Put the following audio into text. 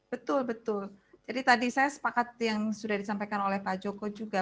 betul betul jadi tadi saya sepakat yang sudah disampaikan oleh pak joko juga